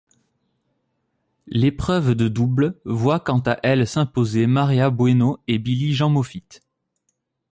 L'épreuve de double voit quant à elle s'imposer Maria Bueno et Billie Jean Moffitt.